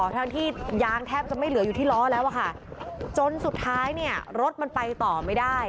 ทั้งที่ยางแทบจะไม่เหลืออยู่ที่ล้อแล้วอะค่ะจนสุดท้ายเนี่ยรถมันไปต่อไม่ได้